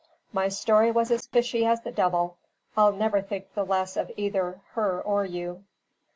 My story was as fishy as the devil. I'll never think the less of either her or you."